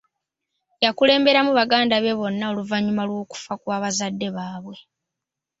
Yakulemberamu baganda be bonna oluvannyuma lw'okufa kwa bazadde baabwe.